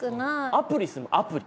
アプリするアプリ。